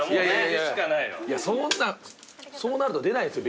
そうなると出ないですよ